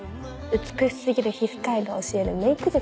美し過ぎる皮膚科医が教えるメイク術。